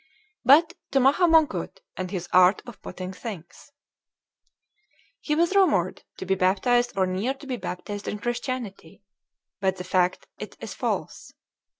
But to Maha Mongkut, and his "art of putting things": "He was rumored to be baptized or near to be baptized in Christianity, but the fact it is false.